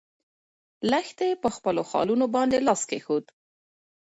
لښتې په خپلو خالونو باندې لاس کېښود.